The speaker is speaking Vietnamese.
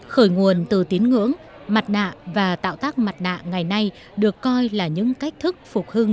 khởi nguồn từ tín ngưỡng mặt nạ và tạo tác mặt nạ ngày nay được coi là những cách thức phục hưng